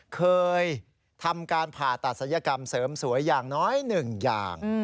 เคยทำการผ่าตัดศัลยกรรมเสริมสวยอย่างน้อยหนึ่งอย่าง